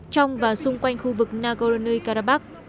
trong và xung quanh khu vực nagorno karabakh